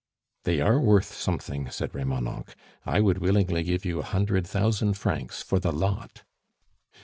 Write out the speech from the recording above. "They are worth something," said Remonencq. "I would willingly give you a hundred thousand francs for the lot."